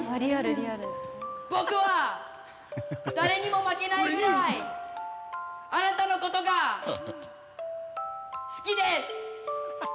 僕は誰にも負けないぐらいあなたのことが好きです！